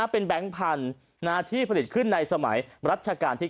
เป็นแบงค์พันธุ์ที่ผลิตขึ้นในสมัยรัชกาลที่๙